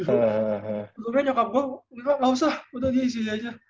sebenernya nyokap gue gak usah udah dia isinya aja